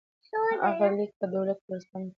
هغه لیک په دولتي ورځپاڼو کې خپور شو.